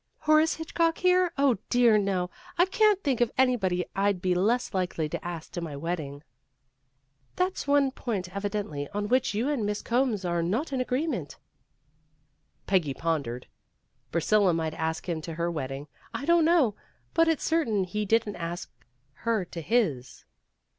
"Horace Hitchcock here? Oh, dear, no! I can't think of anybody I'd be less likely to ask to my wedding. '' 322 PEGGY RAYMOND'S WAY " That's one point, evidently, on which you and Miss Combs are not in agreement. '' Peggy pondered. "Priscilla might ask him to her wedding. I don't know. But it's certain he didn't ask her to his."